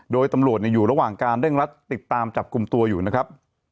โดยตำรวจอยู่ระหว่างการเร่งรัดติดตามจับกลุ่มตัวอยู่นะครับ